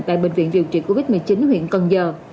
tại bệnh viện điều trị covid một mươi chín huyện cần giờ